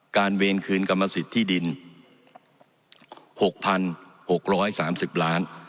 การเวียนคืนกรรมสิทธิ์ที่ดินหกพันหกร้อยสามสิบล้าน